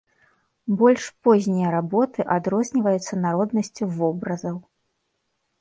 Больш познія работы адрозніваюцца народнасцю вобразаў.